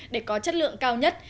để có chất lượng cao nhất